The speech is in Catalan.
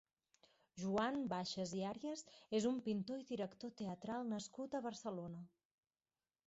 Joan Baixas i Arias és un pintor i director teatral nascut a Barcelona.